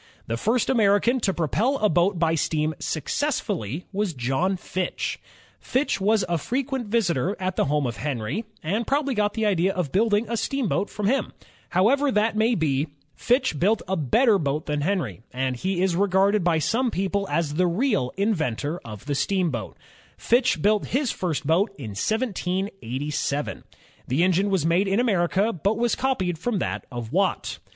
The first American to propel a boat by steam success fully was John Fitch, Fitch was a frequent visitor at the home of Henry, and probably got the idea of building a steamboat from him. However that may be, Fitch 28 INVENTIONS OF STEAM AND ELECTRIC POWER built a better boat than Henry, and he is regarded by some people as the real inventor of the steamboat. Fitch built his first boat in 1787. The engine was made in America, but was copied from that of Watt.